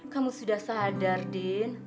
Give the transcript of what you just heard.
kamu sudah sadar din